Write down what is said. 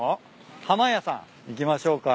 浜谷さん行きましょうか。